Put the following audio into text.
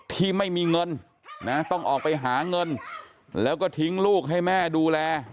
ที่ไม่มีเงินนะต้องออกไปหาเงินแล้วก็ทิ้งลูกให้แม่ดูแล